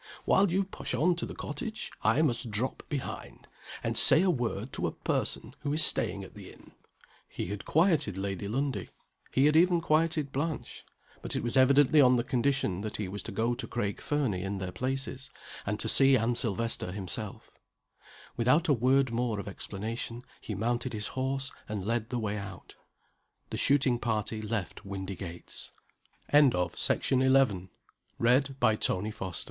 While you push on to the cottage, I must drop behind, and say a word to a person who is staying at the inn." He had quieted Lady Lundie he had even quieted Blanche. But it was evidently on the condition that he was to go to Craig Fernie in their places, and to see Anne Silvester himself. Without a word more of explanation he mounted his horse, and led the way out. The shooting party left Windygates. SECOND SCENE. THE INN. CHAPTER THE NINTH. ANNE.